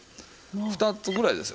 ２つぐらいですよ。